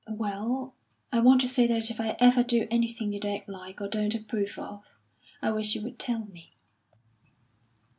"Well, I want to say that if I ever do anything you don't like, or don't approve of, I wish you would tell me."